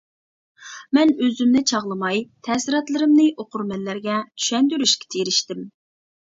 مەن ئۆزۈمنى چاغلىماي، تەسىراتلىرىمنى ئوقۇرمەنلەرگە چۈشەندۈرۈشكە تىرىشتىم.